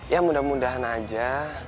ya mudah mudahan aja